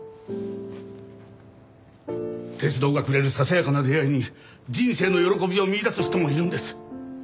鉄道がくれるささやかな出会いに人生の喜びを見いだす人もいるんです。